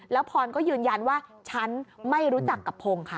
แล้วพรก็ยืนยันว่าฉันไม่รู้จักกับพงศ์ค่ะ